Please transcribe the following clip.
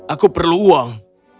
aku perlu uang